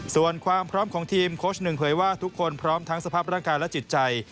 ส่วนความพร้อมของทีมโค้ชหนึ่งเผยว่าทุกคนพร้อมทั้งสภาพร่างกายและจิตใจ